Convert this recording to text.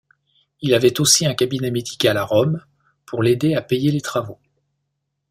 Il avait aussi un cabinet médical à Rome, pour l'aider à payer les travaux.